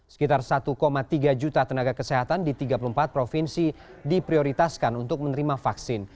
sekitar satu tiga juta tenaga kesehatan di tiga puluh empat provinsi diprioritaskan untuk menerima vaksin